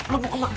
lo mau kemana